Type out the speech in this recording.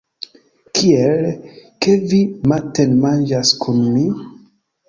Kiel, ke vi matenmanĝas kun mi?